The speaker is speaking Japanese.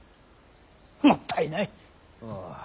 もったいない。